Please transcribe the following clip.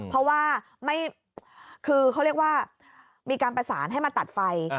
เพราะว่าคือเขาเรียกว่ามีการประสานให้มาตัดไฟ